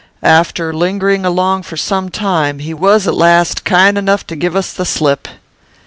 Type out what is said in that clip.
After lingering along for some time, he was at last kind enough to give us the slip.